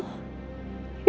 kamu masih kecil